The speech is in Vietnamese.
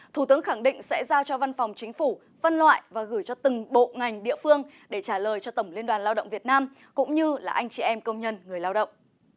thủ tướng khẳng định sẽ giao cho văn phòng chính phủ vân loại và gửi cho từng bộ ngành địa phương để trả lời cho tổng liên đoàn lao động việt nam cũng như là anh chị em công nhân người lao động